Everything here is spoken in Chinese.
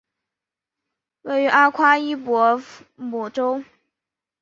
位于阿夸伊博姆州。